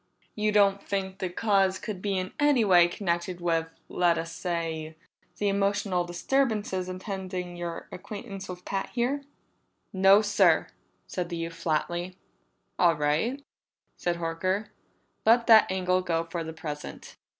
"You don't think the cause could be in any way connected with, let us say, the emotional disturbances attending your acquaintance with Pat here?" "No, sir," said the youth flatly. "All right," said Horker. "Let that angle go for the present.